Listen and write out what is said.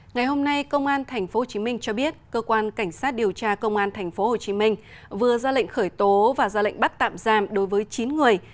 ngày hôm nay công an tp hcm cho biết cơ quan cảnh sát điều tra công an tp hcm vừa ra lệnh khởi tố và ra lệnh bắt tạm giam đối với chín người